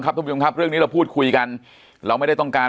ทุกผู้ชมครับเรื่องนี้เราพูดคุยกันเราไม่ได้ต้องการ